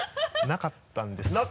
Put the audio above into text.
なかったんです。